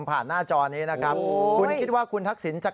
ผ่านหน้าจอนี้นะคะคุณคิดว่าคุณทักศินจริง